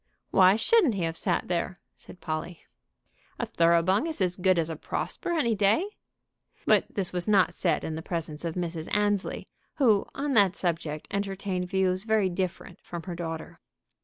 "Why shouldn't he have sat there?" said Polly. "A Thoroughbung is as good as a Prosper any day." But this was not said in the presence of Mrs. Annesley, who on that subject entertained views very different from her daughter.